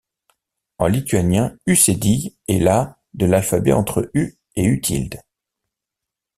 En lituanien, Ų est la de l’alphabet, située entre U et Ū.